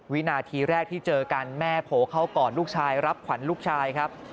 วินาทีแรกที่เจอกันแม่โผล่เข้าก่อนลูกชายรับขวัญลูกชายครับ